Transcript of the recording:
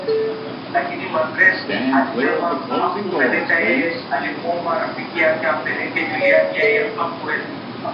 Lakini Magreth alisema hakumpeleka yeye alimuomba Rafiki yake ampeleke Juliana yeye hakuweza